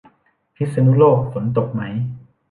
พิษณุโลกฝนตกไหม